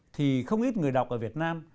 thì không ít người đọc ở việt nam